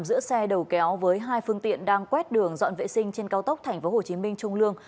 giữa xe đầu kéo với hai phương tiện đang quét đường dọn vệ sinh trên cao tốc tp hcm trung lương